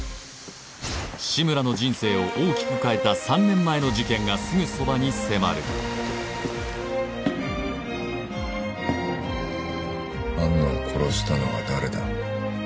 志村の人生を大きく変えた３年前の事件がすぐそばに迫る安野を殺したのは誰だ？